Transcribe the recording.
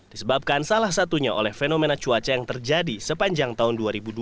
disebabkan salah satunya oleh fenomena cuaca yang terjadi sepanjang tahun dua ribu dua puluh